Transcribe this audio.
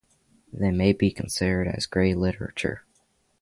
They may be considered as grey literature.